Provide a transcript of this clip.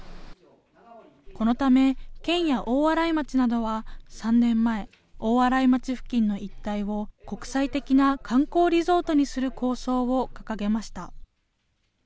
このため、県や大洗町などは３年前、大洗町付近の一帯を国際的な観光リゾートにする構想を掲げました。